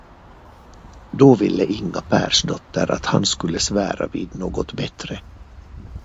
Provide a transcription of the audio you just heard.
Då ville Inga Persdotter, att han skulle svära vid något bättre.